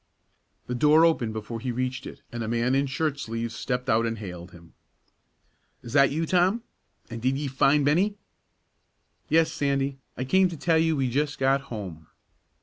The door opened before he reached it, and a man in shirt sleeves stepped out and hailed him: "Is that you, Tom? An' did ye find Bennie?" "Yes, Sandy. I came to tell you we just got home.